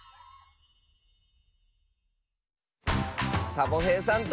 サボへいさんと。